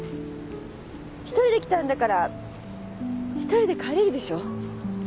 １人で来たんだから１人で帰れるでしょ。